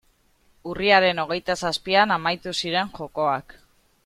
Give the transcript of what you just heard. Urriaren hogeita zazpian amaitu ziren jokoak.